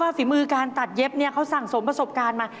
ฝีมือการตัดเย็บเขาสั่งสมประสบการณ์มา